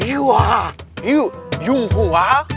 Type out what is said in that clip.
you jung ho wah